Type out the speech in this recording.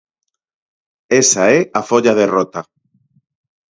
Esa é a folla de rota.